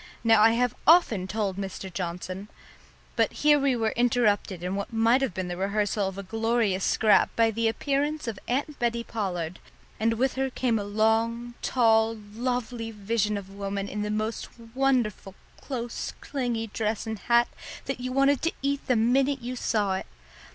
"Now I have often told Mr. Johnson " but here we were interrupted in what might have been the rehearsal of a glorious scrap by the appearance of Aunt Bettie Pollard, and with her came a long, tall, lovely vision of a woman in the most wonderful close clingy dress and hat that you wanted to eat the minute you saw it.